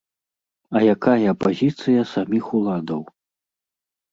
А якая пазіцыя саміх уладаў?